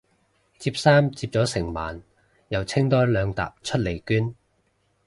摺衫摺咗成晚又清多兩疊出嚟捐